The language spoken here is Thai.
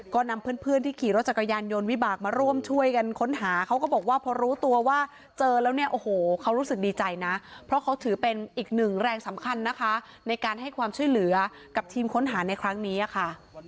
ก็นำเพื่อนที่ขี่รถจักรยานยนต์วิบากมาร่วมช่วยกันค้นหาเขาก็บอกว่าพอรู้ตัวว่าเจอแล้วเนี่ยโอ้โหเขารู้สึกดีใจนะเพราะเขาถือเป็นอีกหนึ่งแรงสำคัญนะคะในการให้ความช่วยเหลือกับทีมค้นหาในครั้งนี้ค่ะ